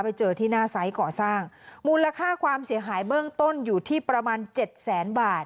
ไปเจอที่หน้าไซส์ก่อสร้างมูลค่าความเสียหายเบื้องต้นอยู่ที่ประมาณเจ็ดแสนบาท